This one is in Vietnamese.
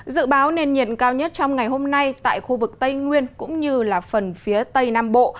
dự báo nền nhiệt cao nhất trong ngày hôm nay tại khu vực tây nguyên cũng như phần phía tây nam bộ